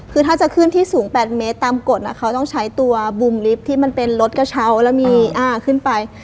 คือถ้าจะขึ้นที่สูง๘เมตรตามกฎเขาต้องใช้ตัวบุมลิฟท์ที่มันเป็นรถกระเช้าแล้วมีขึ้นไป